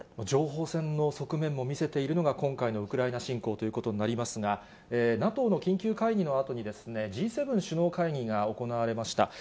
情報戦の側面も見せているのが今回のウクライナ侵攻ということになりますが、ＮＡＴＯの緊急会議のあとに、Ｇ７・首脳会議が行われました。